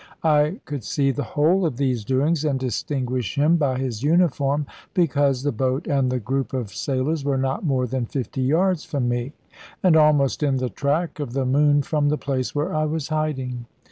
I could see the whole of these doings, and distinguish him by his uniform, because the boat and the group of sailors were not more than fifty yards from me, and almost in the track of the moon from the place where I was hiding.